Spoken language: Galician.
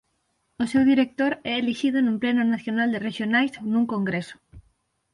O seu director é elixido nun pleno nacional de rexionais ou nun congreso.